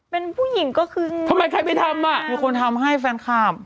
เป็นผู้หญิงก็คือมดดำทำไมใครไม่ทำอะมีคนทำให้แฟนคาร์ม